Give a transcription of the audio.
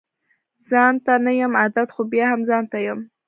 ځانته نه يم عادت خو بيا هم ځانته يم